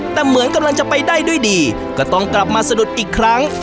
แต่เหมือนกำลังจะไปได้ด้วยดีก็ต้องกลับมาสะดุดอีกครั้ง